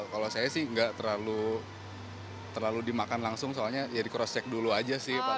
kalau saya sih nggak terlalu dimakan langsung soalnya ya di cross check dulu aja sih